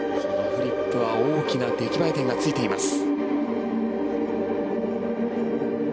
フリップは大きな出来栄え点がついています。